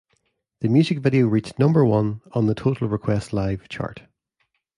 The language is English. The music video reached number one on the "Total Request Live" chart.